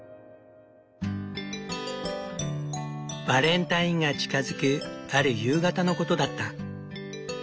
バレンタインが近づくある夕方のことだった。